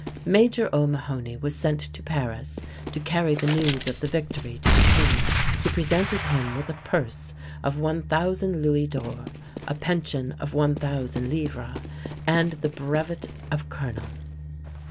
Major O'Mahony was sent to Paris to carry the news of the victory to the king, who presented him with a purse of 1,000 louis d'or, a pension of 1,000 livres, and the brevet of colonel.